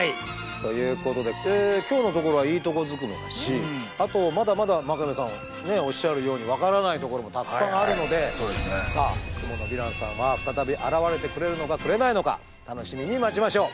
ということで今日のところはいいとこずくめだしあとまだまだ真壁さんおっしゃるように分からないところもたくさんあるのでさあクモのヴィランさんは再び現れてくれるのかくれないのか楽しみに待ちましょう。